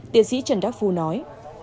tiến sĩ trần đắc phu nói